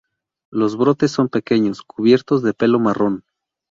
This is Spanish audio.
Los brotes son pequeños, cubiertos de pelo marrón.